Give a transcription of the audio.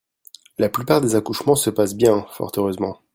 La plupart des accouchements se passent bien, fort heureusement.